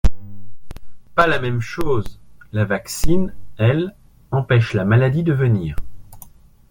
Pas la même chose … La vaccine, elle, empêche la maladie de venir.